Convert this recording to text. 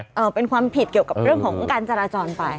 เออเป็นความผิดเกี่ยวกับเรื่องของการจราจรไป